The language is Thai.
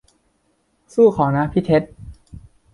สู้เค้านะพี่เท็ด